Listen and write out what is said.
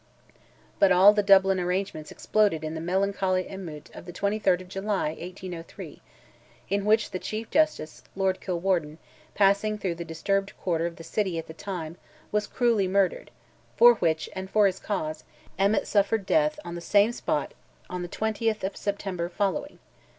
But all the Dublin arrangements exploded in the melancholy emeute of the 23rd of July, 1803, in which the Chief Justice, Lord Kilwarden, passing through the disturbed quarter of the city at the time, was cruelly murdered; for which, and for his cause, Emmet suffered death on the same spot on the 20th of September following.